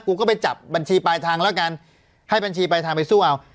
กูก็ไปจับบัญชีปลายทางแล้วกันให้บัญชีปลายทางไปสู้เอา